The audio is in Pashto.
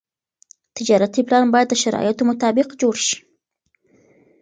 تجارتي پلان باید د شرایطو مطابق جوړ شي.